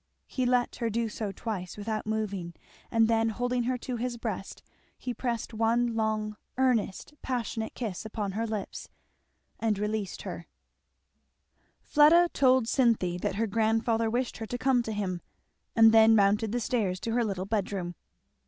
He let her do so twice, without moving, and then holding her to his breast he pressed one long earnest passionate kiss upon her lips, and released her, Fleda told Cynthy that her grandfather wished her to come to him, and then mounted the stairs to her little bedroom.